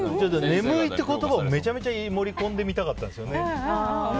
眠いって言葉をめちゃめちゃ盛り込んでみたかったんですよね。